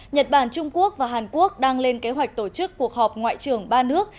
nhật bản trung quốc và hàn quốc đang lên kế hoạch tổ chức cuộc họp ngoại trưởng ba nước